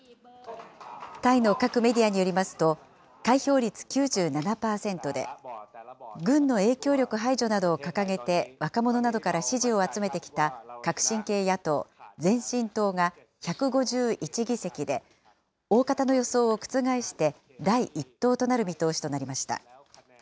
タイの各メディアによりますと、開票率９７％で、軍の影響力排除などを掲げて若者などから支持を集めてきた革新系野党・前進党が１５１議席で、大方の予想を覆して第１党となる見通しとなりました。